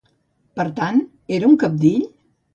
Per tant, era un cabdill?